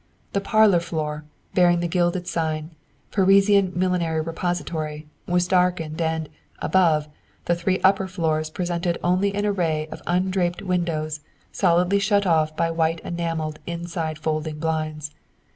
The parlor floor, bearing the gilded sign, "Parisian Millinery Repository," was darkened, and, above, the three upper floors presented only an array of undraped windows solidly shut off by white enamelled inside folding blinds.